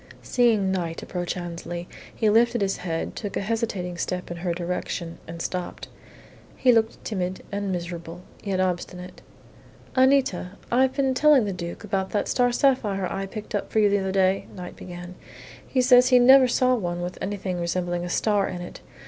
Seeing Knight approach Annesley, he lifted his head, took a hesitating step in her direction, and stopped. He looked timid and miserable, yet obstinate. "Anita, I've been telling the Duke about that star sapphire I picked up for you the other day," Knight began. "He says he never saw one with anything resembling a star in it.